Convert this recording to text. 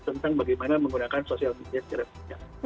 tentang bagaimana menggunakan sosial media secara fisik